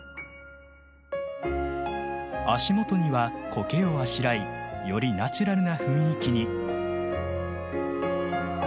足元にはコケをあしらいよりナチュラルな雰囲気に。